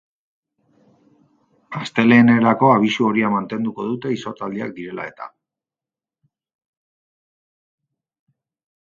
Astelehenerako abisu horia mantenduko dute izotzaldiak direla eta.